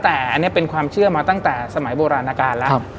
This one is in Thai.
แต่อันนี้เป็นความเชื่อมาตั้งแต่สมัยโบราณการแล้ว